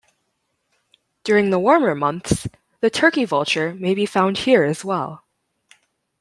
During the warmer months, the turkey vulture may be found here as well.